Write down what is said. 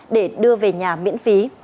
để đưa về nhà miễn phí